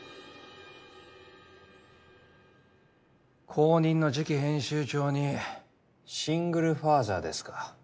後任の次期編集長にシングルファーザーですか？